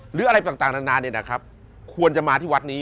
หรืออะไรต่างนานาเนี่ยนะครับควรจะมาที่วัดนี้